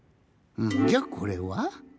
じゃあこれは？